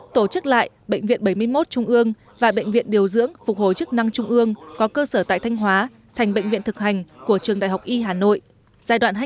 tổ chức lại bệnh viện bảy mươi một trung ương và bệnh viện điều dưỡng phục hồi chức năng trung ương có cơ sở tại thanh hóa thành bệnh viện thực hành của trường đại học y hà nội